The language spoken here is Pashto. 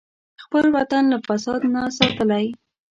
خپل وطن له فساد نه ساتلی.